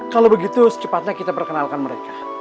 kalau begitu secepatnya kita perkenalkan mereka